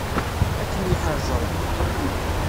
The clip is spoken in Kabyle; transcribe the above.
Ad kem-yeḥrez Ṛebbi.